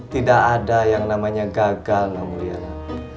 tidak ada yang namanya gagal namuliana